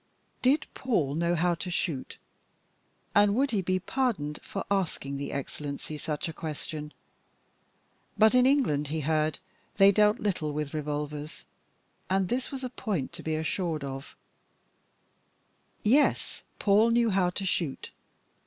Did Paul know how to shoot? And would he be pardoned for asking the Excellency such a question? but in England, he heard, they dealt little with revolvers and this was a point to be assured of. Yes, Paul knew how to shoot!